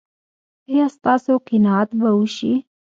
ایا ستاسو قناعت به وشي؟